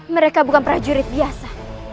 mereka bukan prajurit biasa